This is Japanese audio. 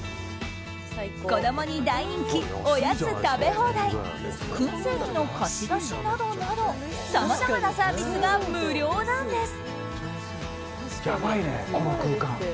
子供に大人気、おやつ食べ放題燻製機の貸し出しなどなどさまざまなサービスが無料なんです。